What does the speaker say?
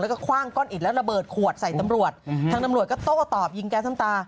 แล้วก็คว่างก้อนอิดและระเบิดขวดใส่ตำรวจทางตำรวจก็โต้ตอบยิงแก๊สน้ำตา